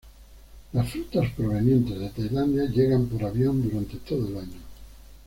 Las frutas provenientes de Tailandia llegan por avión durante todo el año.